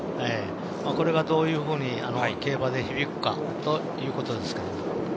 これがどういうふうに競馬で響くかということですか。